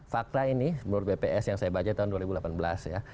fakta ini menurut bps yang saya baca tahun dua ribu delapan belas ya